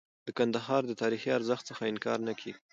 د کندهار د تاریخي ارزښت څخه انکار نه کيږي.